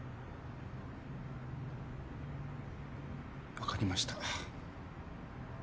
分かりました。